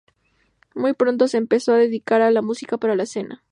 Muy pronto, se empezó a dedicar a la música para la escena.